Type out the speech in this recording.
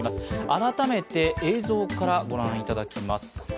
改めて映像からご覧いただきます。